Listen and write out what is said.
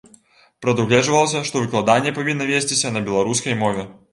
Прадугледжвалася, што выкладанне павінна весціся на беларускай мове.